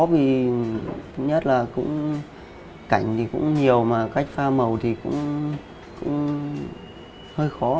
vì nhất là cũng cảnh thì cũng nhiều mà cách pha màu thì cũng hơi khó